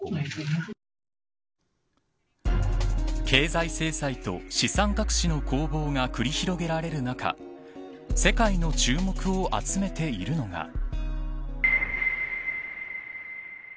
経済制裁と資産隠しの攻防が繰り広げられる中世界の注目を集めているのが。